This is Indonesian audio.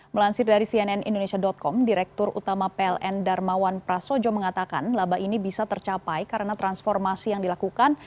melansir dari cnn indonesia com direktur utama pln darmawan prasojo mengatakan laba ini bisa tercapai karena transformasi yang dilakukan